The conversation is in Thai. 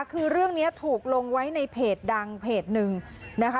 คือเรื่องนี้ถูกลงไว้ในเพจดังเพจหนึ่งนะคะ